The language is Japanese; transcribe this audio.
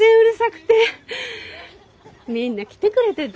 みんな来てくれてて。